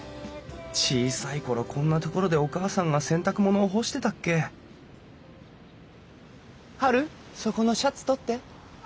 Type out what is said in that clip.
小さい頃こんな所でお母さんが洗濯物を干してたっけ「ハルそこのシャツ取って」。